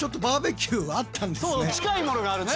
そう近いものがあるね。